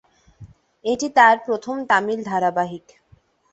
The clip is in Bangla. এটি তাঁর প্রথম তামিল ধারাবাহিক।